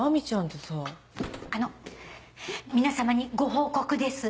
あの皆さまにご報告です。